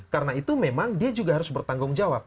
karena itu memang dia juga harus bertanggung jawab